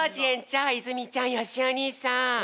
長泉ちゃんよしお兄さん！